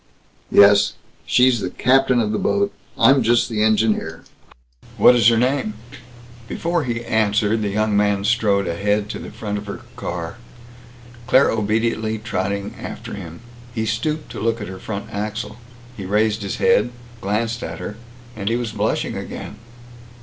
"Yes. She's the captain of the boat. I'm just the engineer." "What is her name?" Before he answered the young man strode ahead to the front of her car, Claire obediently trotting after him. He stooped to look at her front axle. He raised his head, glanced at her, and he was blushing again.